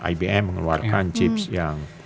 ibm mengeluarkan chips yang